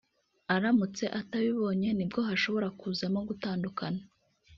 aramutse atabibonye ni bwo hashobora kuzamo gutandukana